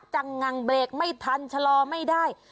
จังงังเบรกไม่ทันชะลอไม่ได้